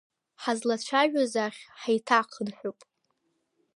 Ҳазлацәажәоз ахь ҳаиҭахынҳәып!